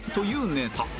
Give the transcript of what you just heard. ネタ